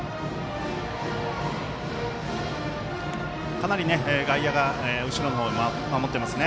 かなり外野が後ろの方守ってますね。